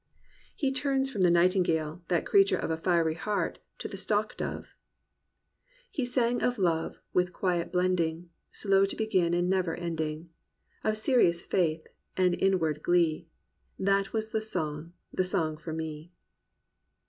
He turns from the nightingale, that creature of a "fiery heart," to the Stock dove: He sang of love, with quiet blending. Slow to begin and never ending; Of serious faith, and inward glee; That was the song — ^the song for me."